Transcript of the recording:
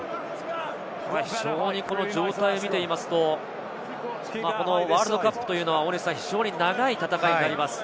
非常に状態を見ているとワールドカップというのは非常に長い戦いになります。